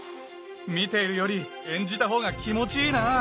見ているより演じた方が気持ちいいな。